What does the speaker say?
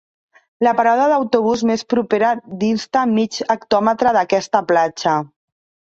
La parada d'autobús més propera dista mig hectòmetre d'aquesta platja.